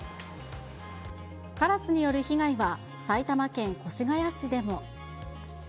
カラスによる被害は埼玉県越谷市でも。